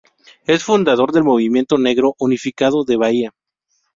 Es fundadora del Movimiento Negro Unificado de Bahía.